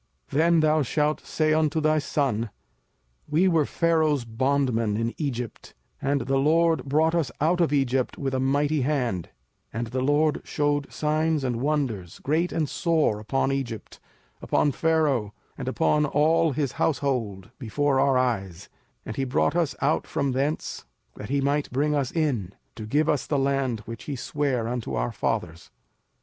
05:006:021 Then thou shalt say unto thy son, We were Pharaoh's bondmen in Egypt; and the LORD brought us out of Egypt with a mighty hand: 05:006:022 And the LORD shewed signs and wonders, great and sore, upon Egypt, upon Pharaoh, and upon all his household, before our eyes: 05:006:023 And he brought us out from thence, that he might bring us in, to give us the land which he sware unto our fathers.